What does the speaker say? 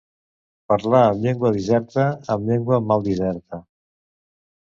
Parlar amb llengua diserta, amb llengua mal diserta.